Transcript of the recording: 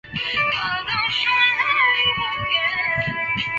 敏感木蓝为豆科木蓝属下的一个种。